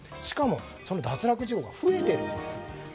しかも脱落事故が増えているんです。